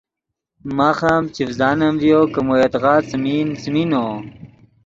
ماخ ام چڤزانم ڤیو کہ مو یدغا څیمین، څیمین نو